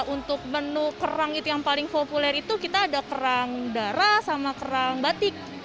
untuk menu kerang itu yang paling populer itu kita ada kerang darah sama kerang batik